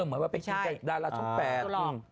เหมือนว่าไปชิงกับดาราช่อง๘